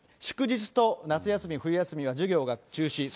祝日と夏休み、冬休みは授業が中止。